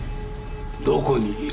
どこにいる？